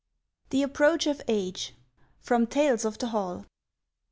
THE APPROACH OF AGE. FROM "TALES OF THE HALL."